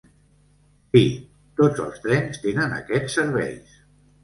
Si, tots els trens tenen aquests serveis.